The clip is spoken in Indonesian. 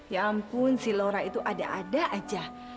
ya ampun si lora itu ada ada aja